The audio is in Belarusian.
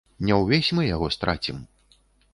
Не ўвесь мы яго страцім.